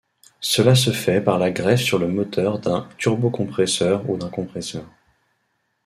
Cela se fait par la greffe sur le moteur d'un turbocompresseur ou d'un compresseur.